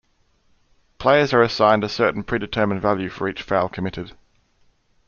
Players are assigned a certain predetermined value for each foul committed.